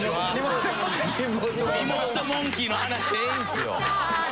リモートモンキーの話はいいんすよ！